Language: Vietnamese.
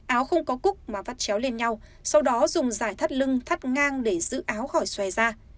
áo không có cúc mà vắt chéo lên nhau sau đó dùng giải thắt lưng thắt ngang để giữ áo khỏi xòe ra